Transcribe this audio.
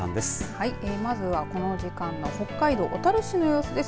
はい、まずはこの時間の北海道小樽市の様子です。